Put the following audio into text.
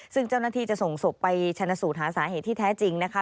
ซึ่งเจ้าหน้าที่จะส่งศพไปชนะสูตรหาสาเหตุที่แท้จริงนะคะ